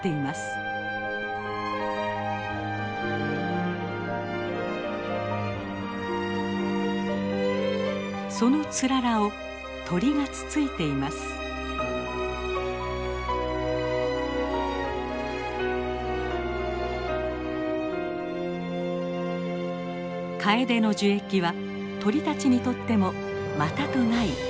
カエデの樹液は鳥たちにとってもまたとない冬のごちそうなのです。